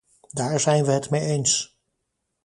Daar zijn we het mee eens!